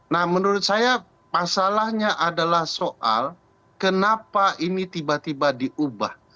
nah menurut saya masalahnya adalah soal kenapa ini tiba tiba diubah